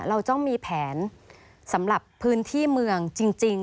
เราต้องมีแผนสำหรับพื้นที่เมืองจริง